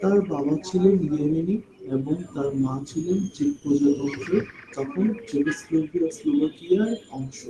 তার বাবা ছিলেন ইয়েমেনি এবং তার মা ছিলেন চেক প্রজাতন্ত্রের, তখন চেকোস্লোভাকিয়ার অংশ।